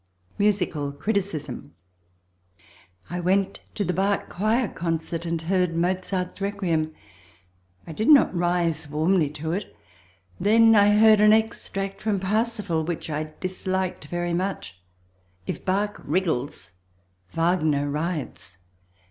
Musical Criticism I went to the Bach Choir concert and heard Mozart's Requiem. I did not rise warmly to it. Then I heard an extract from Parsifal which I disliked very much. If Bach wriggles, Wagner writhes.